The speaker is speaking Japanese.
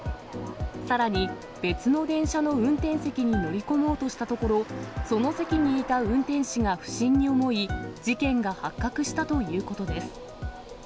さらに別の電車の運転席に乗り込もうとしたところ、その席にいた運転士が不審に思い、事件が発覚したということです。